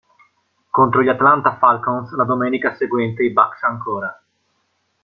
Contro gli Atlanta Falcons la domenica seguente i Bucs ancora.